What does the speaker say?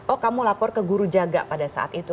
oh kamu lapor ke guru jaga pada saat itu